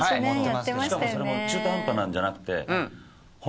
「しかもそれも中途半端なんじゃなくて本格派」